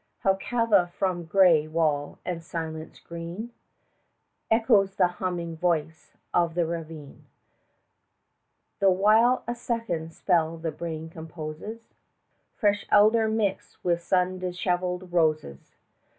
How Cava from grey wall and silence green Echoes the humming voice of the ravine, 20 The while a second spell the brain composes, Fresh elder mixt with sun dishevelled roses!